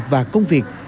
và công việc